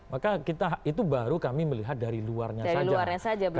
maka itu baru kami melihat dari luarnya saja